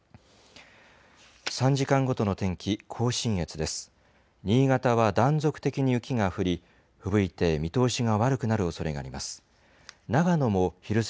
３時間ごとの天気、甲信越です。